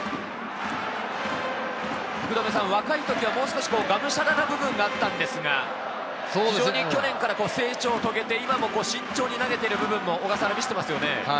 若い時はもう少しがむしゃらな部分があったんですが、非常に去年から成長を遂げて今も慎重に投げている部分も見せていますね。